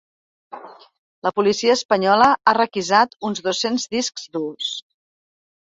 La policia espanyola ha requisat uns dos-cents discs durs.